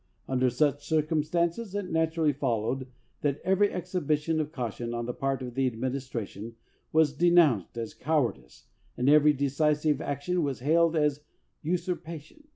Under such circumstances it naturally fol lowed that every exhibition of caution on the part of the administration was denounced as coward ice and every decisive action was hailed as usur pation.